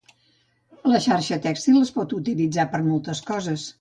La xarxa tèxtil es pot utilitzar per a moltes coses.